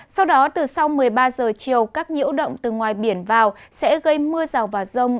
sau đó từ sau một mươi ba giờ chiều các nhiễu động từ ngoài biển vào sẽ gây mưa rào và rông